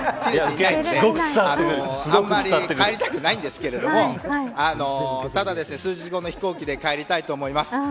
あまり帰りたくないんですけれどもただ数日後の飛行機で帰りたいと思います。